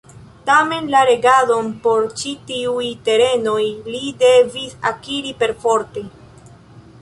Tamen la regadon por ĉi tiuj terenoj li devis akiri perforte.